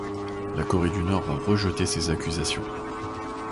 La Corée du Nord a rejeté ces accusations.